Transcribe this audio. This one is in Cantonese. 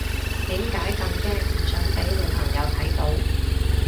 點解咁驚唔想俾女朋友睇到？